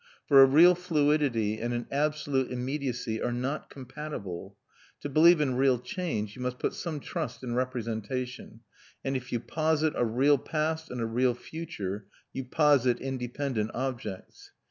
For a real fluidity and an absolute immediacy are not compatible. To believe in real change you must put some trust in representation, and if you posit a real past and a real future you posit independent objects.